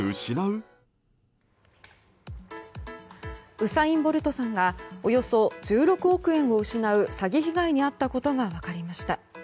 ウサイン・ボルトさんがおよそ１６億円を失う詐欺被害に遭ったことが分かりました。